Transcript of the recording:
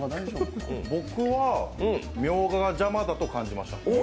僕はミョウガが邪魔だと感じました。